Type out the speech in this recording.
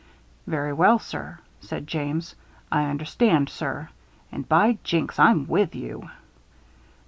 "Very well, sir," said James. "I understand, sir and by Jinks! I'm with you!"